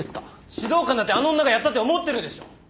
指導官だってあの女がやったって思ってるでしょ！